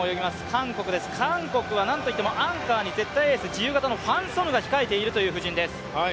韓国です韓国はなんといってもアンカーに自由形のファン・ソヌが控えているという布陣です。